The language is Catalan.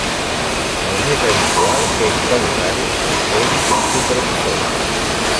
El més habitual és que l'horari el crei un supervisor.